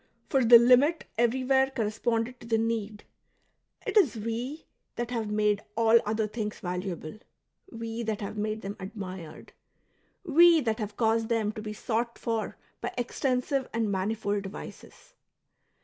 For the limit everywhere corresponded to the need ; it is we that have made all other things valuable^ we that have made them admired^ we that have caused them to be sought for by extensive and manifold devices.